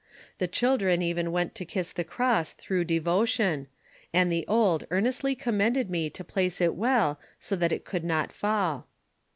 The children even went to kiss the cross through devotion, and the old earnestly commended me to place it well so that it could not fall.